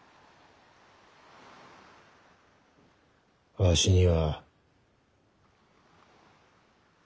わしには。